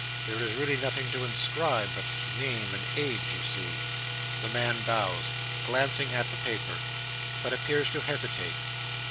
"There is really nothing to inscribe but name and age, you see." The man bows, glancing at the paper, but appears to hesitate.